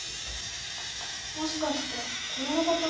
もしかしてこれの事？